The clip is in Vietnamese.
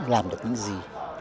bắc ninh đã làm được những gì